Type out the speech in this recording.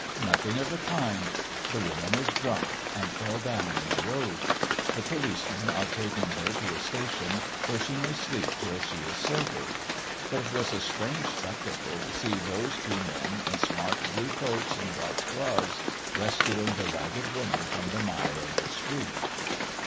Nothing of the kind. The woman is drunk, and fell down in the road. The policemen are taking her to the station, where she may sleep till she is sober. But it was a strange spectacle to see those two men in smart blue coats and white gloves rescuing the ragged woman from the mire of the street.